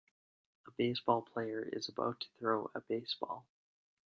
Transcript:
A baseball player is about to throw a baseball.